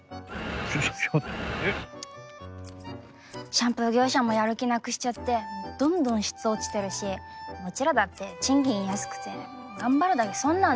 シャンプー業者もやる気なくしちゃってどんどん質落ちてるしうちらだって賃金安くて頑張るだけ損なんですよ。